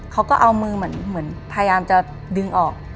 เขาก็เอามือเหมือนพยายามจะดึงออก